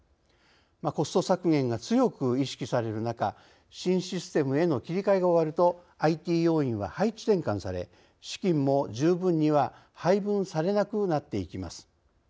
コスト削減が強く意識される中新システムへの切り替えが終わるとＩＴ要員は配置転換され資金も十分には配分されなくなっていきます。